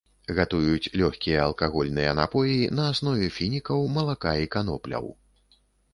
Гатуюць лёгкія алкагольныя напоі на аснове фінікаў, малака і канопляў.